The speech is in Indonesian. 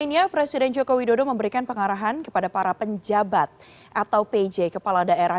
pada hari ini presiden jokowi dodo memberikan pengarahan kepada para penjabat atau pj kepala daerah